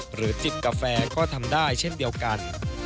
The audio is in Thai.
จิบกาแฟก็ทำได้เช่นเดียวกัน